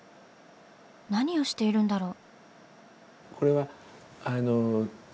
何をしているんだろう？